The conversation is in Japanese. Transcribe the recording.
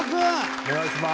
お願いします。